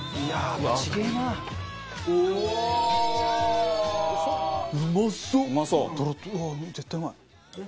うわっ絶対うまい。